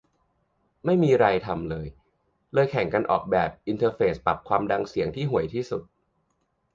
ไม่มีไรทำ เลยแข่งกันออกแบบอินเทอร์เฟซปรับความดังเสียงที่ห่วยที่สุด